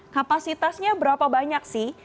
kapasitasnya berapa banyak sih